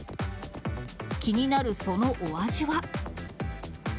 気になるそのお味は。